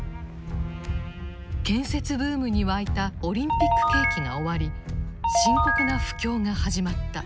建設ブームに沸いたオリンピック景気が終わり深刻な不況が始まった。